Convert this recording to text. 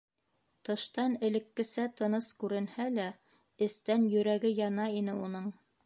Тыштан элеккесә тыныс күренһә лә, эстән йөрәге яна ине уның.